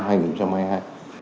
đại tượng thủ tướng chí phổ